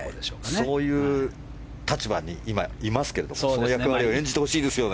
そういう立場に今いますけどそういう役割を演じてほしいですよね。